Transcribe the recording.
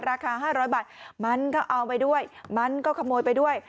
ราคา๕๐๐บาทมันก็เอาไปด้วยมันก็ขโมยไปด้วย